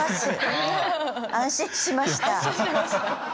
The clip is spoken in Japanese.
安心しました。